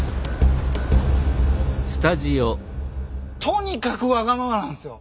とにかくわがままなんすよ！